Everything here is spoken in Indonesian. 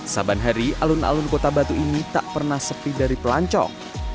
saban hari alun alun kota batu ini tak pernah sepi dari pelancong